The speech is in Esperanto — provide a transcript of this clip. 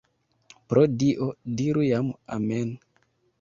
Pro Dio, diru jam amen!